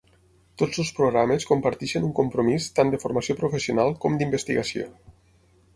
Tots els programes comparteixen un compromís tant de formació professional com d'investigació.